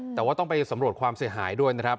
แต่ว่าต้องไปสำรวจความเสียหายด้วยนะครับ